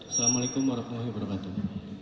assalamu alaikum warahmatullahi wabarakatuh